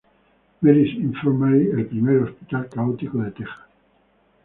Mary's Infirmary, el primer hospital católico de Texas.